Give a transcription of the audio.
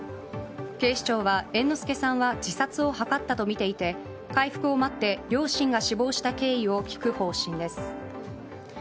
警視庁は猿之助さんは自殺を図ったとみていて回復を待って両親が死亡した経緯を聞く方針です。